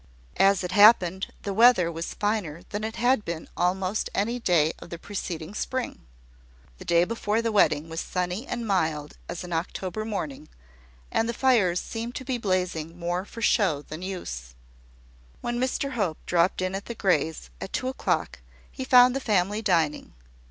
As it happened, the weather was finer than it had been almost any day of the preceding spring. The day before the wedding was sunny and mild as an October morning, and the fires seemed to be blazing more for show than use. When Mr Hope dropped in at the Greys', at two o'clock, he found the family dining.